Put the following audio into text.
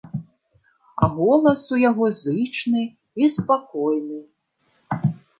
А голас у яго зычны і спакойны.